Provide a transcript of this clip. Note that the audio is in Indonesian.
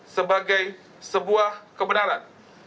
sebagai sebuah kebenaran